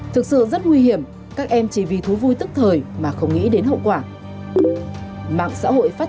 thực sự rất nguy hiểm các em chỉ vì thú vui tức thời mà không nghĩ đến thật